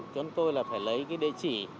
chúng tôi là phải lấy cái địa chỉ